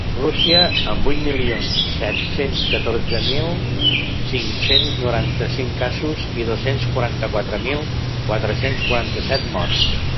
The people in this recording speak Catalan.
Rússia, amb vuit milions set-cents catorze mil cinc-cents noranta-cinc casos i dos-cents quaranta-quatre mil quatre-cents quaranta-set morts.